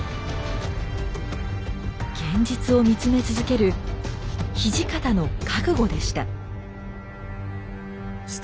現実を見つめ続ける土方の覚悟でした。